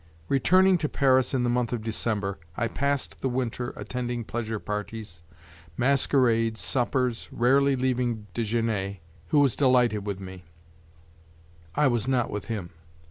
Returning to Paris in the month of December I passed the winter attending pleasure parties, masquerades, suppers, rarely leaving Desgenais, who was delighted with me; I was not with him.